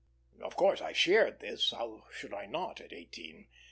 Of course I shared this; how should I not, at eighteen?